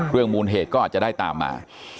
เรื่องมูลเหตุก็อาจจะได้ตามมา